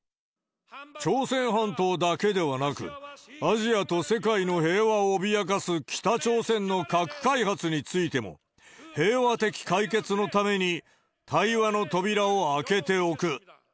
朝鮮半島だけではなく、アジアと世界の平和を脅かす北朝鮮の核開発についても、平和的解決のために、対話の扉を開けておく。